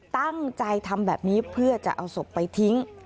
ตั้งใจทำแบบนี้เพื่อจะเอาศพไปทิ้ง